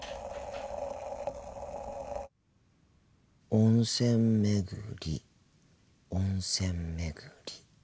温泉巡り温泉巡り。